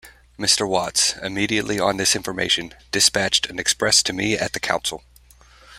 Mr. Watts, immediately on this information, dispatched an express to me at the council.